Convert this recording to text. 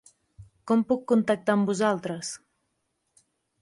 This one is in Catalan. Com puc contactar amb vosaltres?